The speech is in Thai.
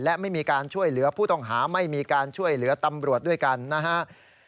และไม่มีการช่วยเหลือผู้ต้องหาไม่มีการช่วยเหลือตำรวจด้วยกันนะครับ